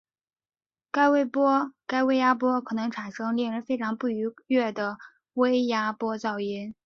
该微压波可能产生令人非常不愉悦的微压波噪音。